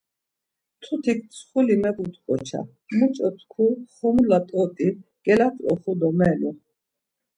Mtutik mtsxuli mebut̆ǩoça muç̌o tku xomula t̆ot̆i gelatroxu do melu.